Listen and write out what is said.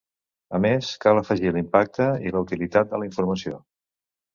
A més, cal afegir l’impacte i la utilitat de la informació.